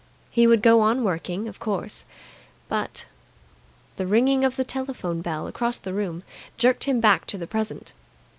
He would go on working, of course, but . The ringing of the telephone bell across the room jerked him back to the present.